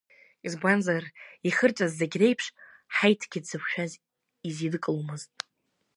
Избанзар, ихырҵәаз зе-гьы реиԥш Ҳаиҭгьы дзықәшәаз изидкыломызт.